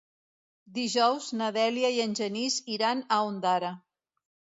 Dijous na Dèlia i en Genís iran a Ondara.